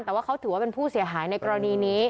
แต่ว่าเขาถือว่าเป็นผู้เสียหายในกรณีนี้